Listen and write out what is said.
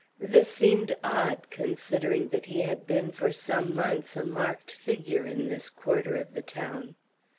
This seemed odd, considering that he had been for some months a marked figure in this quarter of the town.